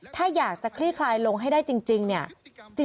ถ้าอยากจะคลี่คลายลงให้ได้จริงเนี่ย